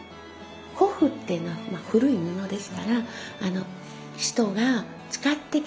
古布っていうのは古い布ですから人が使ってきたものですよね。